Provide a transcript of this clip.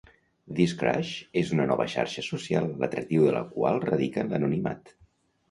This Crush és una nova xarxa social, l'atractiu de la qual radica en l'anonimat.